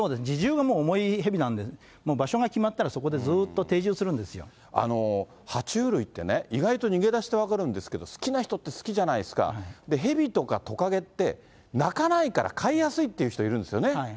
自重が重いヘビなんで、もう場所が決まったら、そは虫類ってね、意外と逃げ出して分かるんですけど、好きな人って好きじゃないですか、ヘビとかトカゲって鳴かないから飼いやすいっていう人いるんですよね。